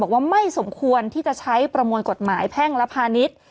บอกว่าไม่สมควรที่จะใช้ประมวลกฎหมายแพ่งและพาณิชย์